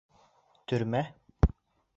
Төрмә?!